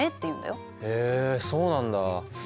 へえそうなんだ。